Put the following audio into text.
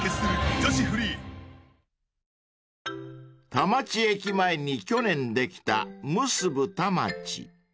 ［田町駅前に去年できたムスブ田町］